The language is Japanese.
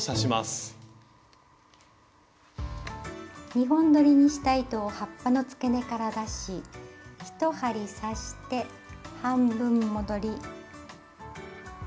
２本どりにした糸を葉っぱのつけ根から出し１針刺して半分戻り。